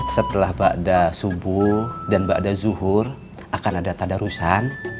setelah ba'ada subuh dan ba'ada zuhur akan ada tadarusan